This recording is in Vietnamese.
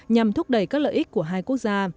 nhằm thúc đẩy các lợi ích của hai quốc gia